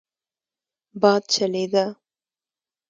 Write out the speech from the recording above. باد چلېده.